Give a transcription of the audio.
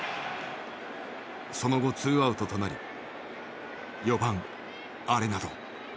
その後ツーアウトとなり４番アレナド。